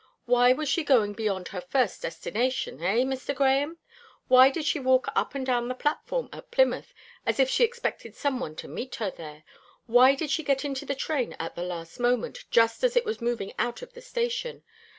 Why was she going beyond her first destination, eh, Mr. Grahame? Why did she walk up and down the platform at Plymouth, as if she expected some one to meet her there? Why did she get into the train at the last moment, just as it was moving out of the station?